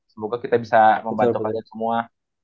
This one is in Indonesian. semoga kita bisa membaca baca semua